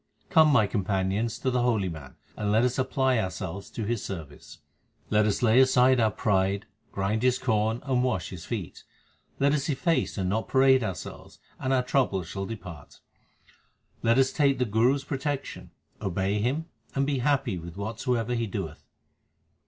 Come, my companions, to the holy man, and let us apply ourselves to his service. Let us lay aside our pride, grind his corn, and wash his feet. Let us efface and not parade ourselves, and our troubles shall depart. Let us take the Guru s protection, obey him, and be happy with whatsoever he doeth.